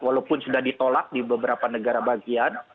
walaupun sudah ditolak di beberapa negara bagian